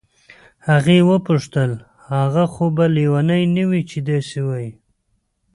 هغې وپوښتل هغه خو به لیونی نه وي چې داسې وایي.